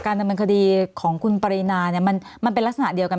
การนำเนินคดีของคุณปรินาเนี่ยมันมันเป็นลักษณะเดียวกัน